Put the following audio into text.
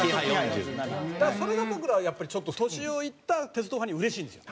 だからそれが僕らはやっぱりちょっと年老いた鉄道ファンにはうれしいんですよ。